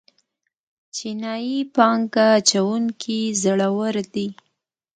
چینايي پانګه اچوونکي زړور دي.